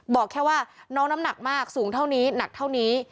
บอกแค่ว่าน้องน้ำหนักมากสูงเท่านี้หนักเท่านี้